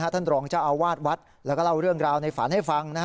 ท่านรองเจ้าอาวาสวัดแล้วก็เล่าเรื่องราวในฝันให้ฟัง